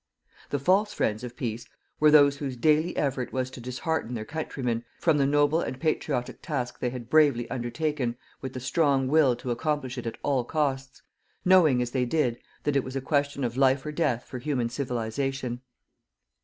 The FALSE friends of PEACE were those whose daily effort was to dishearten their countrymen from the noble and patriotic task they had bravely undertaken with the strong will to accomplish it at all costs, knowing, as they did, that it was a question of life or death for human Civilization.